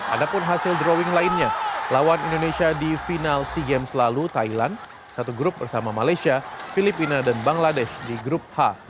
ada pun hasil drawing lainnya lawan indonesia di final sea games lalu thailand satu grup bersama malaysia filipina dan bangladesh di grup h